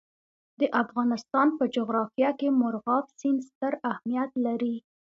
د افغانستان په جغرافیه کې مورغاب سیند ستر اهمیت لري.